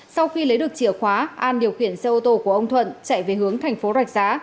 sau khi lấy được chìa khóa an điều khiển xe ô tô của ông thuận chạy về hướng thành phố rạch giá